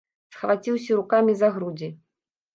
Схваціўся рукамі за грудзі.